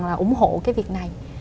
hoàn toàn là ủng hộ cái việc này